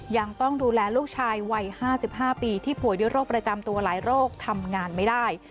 ยังต้องดูแลลูกชายวัย๕๕ปีที่ป่วยด้วยโรคประจำตัวหลายโรคทำงานไม่ได้